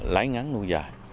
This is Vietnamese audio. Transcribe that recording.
lái ngắn nuôi dài